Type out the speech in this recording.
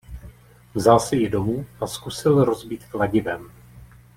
Vzal si ji domů a zkusil rozbít kladivem.